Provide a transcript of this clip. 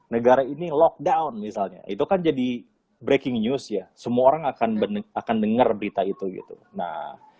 negara ini lockdown misalnya itu kan jadi breaking news ya semua orang akan bener akan denger berita itu gitu nah